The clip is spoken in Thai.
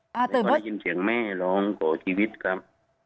ก็ได้ยินเสียงแม่ร้องก่อชีวิตครับ